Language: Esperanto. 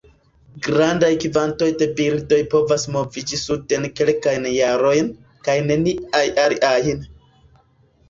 Grandaj kvantoj de birdoj povas moviĝi suden kelkajn jarojn; kaj neniaj aliajn.